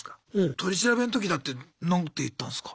取調べの時だって何て言ったんすか？